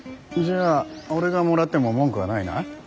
じゃあ俺がもらっても文句はないな。